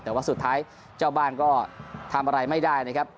แต่ว่าสุดท้ายเจ้าบ้านก็ทำอะไรไม่ได้นะครับ